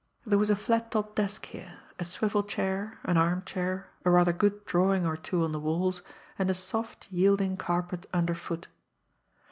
There was a flat topped desk here, a swivel chair, an armchair, a rather good drawing or two on the walls, and a soft yielding carpet underfoot.